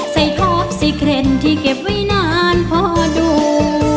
ใส่ทอปสิเกร็ดที่เก็บไว้นานพอดู